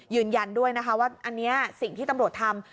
ยืนยันด้วยนะคะว่าอันนี้สิ่งที่ตำรวจทำ